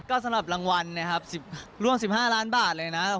ก็สำหรับรางวัลนะครับร่วม๑๕ล้านบาทเลยนะครับ